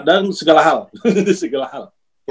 dan segala hal segala hal